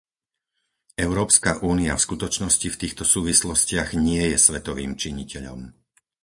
Európska únia v skutočnosti v týchto súvislostiach nie je svetovým činiteľom.